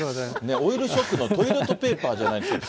オイルショックのトイレットペーパーじゃないんですから。